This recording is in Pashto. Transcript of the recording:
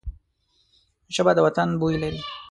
ژبه د وطن بوی لري